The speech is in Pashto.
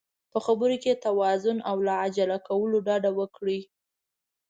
په خبرو کې توازن او له عجله کولو ډډه وکړئ.